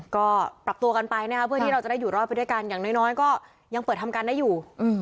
ก็ปรับตัวกันไปนะครับเพื่อที่เราจะได้อยู่รอดไปด้วยกันอย่างน้อยก็ยังเปิดทำการได้อยู่